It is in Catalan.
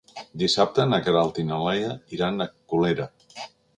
Dissabte na Queralt i na Laia iran a Colera.